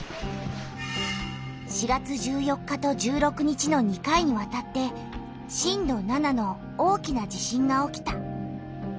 ４月１４日と１６日の２回にわたって震度７の大きな地震が起きた。